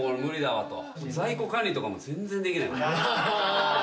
在庫管理とか全然できない。